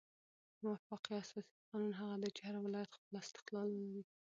وفاقي اساسي قانون هغه دئ، چي هر ولایت خپل استقلال ولري.